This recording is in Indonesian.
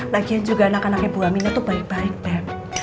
lagian juga anak anaknya bu aminah tuh baik baik beb